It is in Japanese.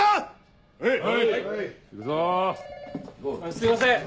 すいません！